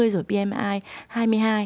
rồi pmi hai mươi hai